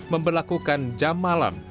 memperlakukan jam malam